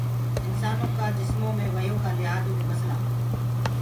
انسانآ ڪآ جسمو مينٚ وهيو ڪآ لِهآجو دي مسلآ۔